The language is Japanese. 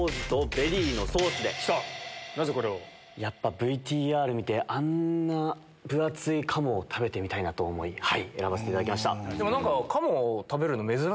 ＶＴＲ見てあんな分厚い鴨を食べてみたいなと思い選ばせていただきました。